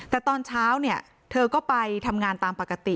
แต่ตอนเช้าเนี่ยเธอก็ไปทำงานตามปกติ